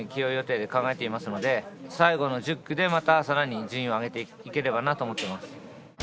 起用予定で考えていますので最後の１０区でまた順位を上げていければなと思っています。